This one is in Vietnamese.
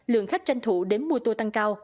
lượng khách tranh thủ đến mua tour tăng cao